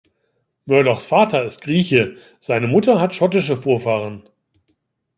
Murdochs Vater ist Grieche, seine Mutter hat schottische Vorfahren.